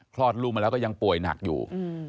คลอดลูกมาแล้วก็ยังป่วยหนักอยู่